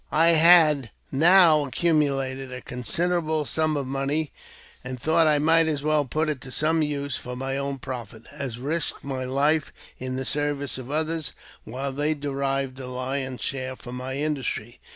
1HAD now accumulated a considerable sum of money, and thought I might as well put it to some use for my own profit, as risk my life in the service of others, while they derived the lion's share from my industry.